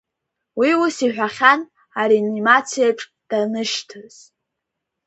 Уи ус иҳәахьан аренимациаҿ данышьҭаз.